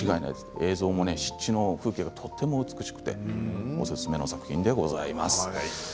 映像も湿地の風景がとても美しくておすすめの作品です。